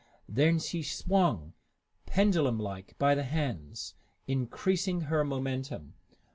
Then she swung, pendulum like, by her hands, increasing her momentum.